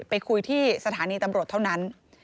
ไปคุยที่สถานีตำรวจเท่านั้น